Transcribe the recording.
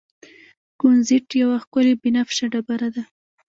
کونزیټ یوه ښکلې بنفشه ډبره ده.